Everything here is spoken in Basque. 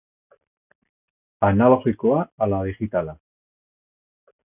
Analogikoa ala digitala?